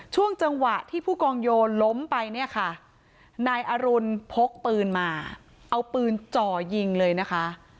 ช่วงจังหวะที่ผู้กองโยล้มไปเนี่ยค่ะนายอรุณพกปืนมาเอาปืนจ่อยิงเลยนะคะ